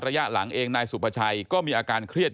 ระยะหลังเองนายสุภาชัยก็มีอาการเครียด